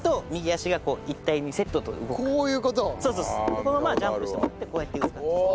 このままジャンプしてもらってこうやって打つ感じです。